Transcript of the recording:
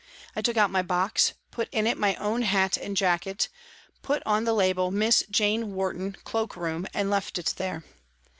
I took out my box, put in it my own hat and jacket, put on the label " Miss Jane Warton, Cloak Boom," and left it there.